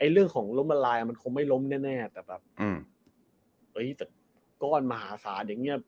เรื่องของล้มละลายมันคงไม่ล้มแน่แต่แบบก้อนมหาศาลอย่างนี้